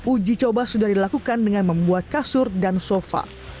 uji coba sudah dilakukan dengan membuat kasur dan sofa